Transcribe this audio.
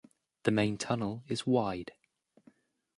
The main tunnel is wide.